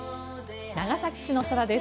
長崎市の空です。